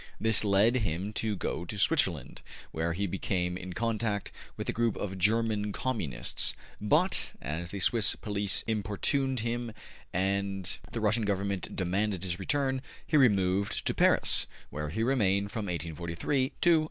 This led him to go to Switzerland, where he came in contact with a group of German Communists, but, as the Swiss police importuned him and the Russian Government demanded his return, he removed to Paris, where he remained from 1843 to 1847.